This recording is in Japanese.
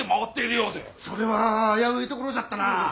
それは危ういところじゃったな。